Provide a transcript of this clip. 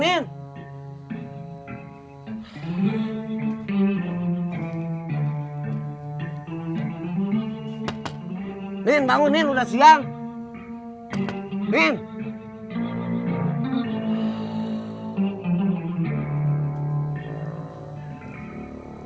min bangunin udah siang